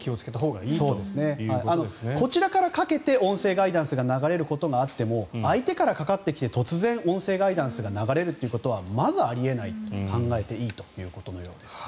こちらからかけて音声ガイダンスが流れることはあっても相手からかかってきて突然、音声ガイダンスが流れることはまずあり得ないと考えていいということのようです。